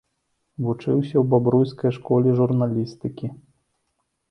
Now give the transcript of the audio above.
Вучыўся ў бабруйскай школе журналістыкі.